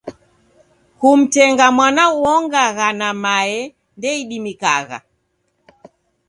Kumtenga mwana uongagha na mae ndeidimikagha.